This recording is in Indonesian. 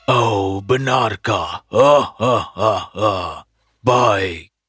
oh benarkah hahaha baik